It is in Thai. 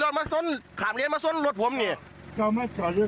แล้วทางดูเรื่องแรกก็มีตรวจแอลกอฮอล์ก่อน